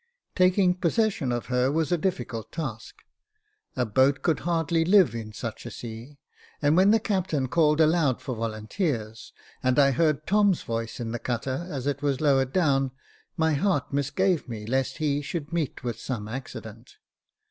Taking possession of her was a difficult task : a boat could hardly live in such a sea ; and when the captain called aloud for volunteers, and I heard Tom's voice in the cutter as it was lowering down, my heart misgave me lest he should meet with some accident.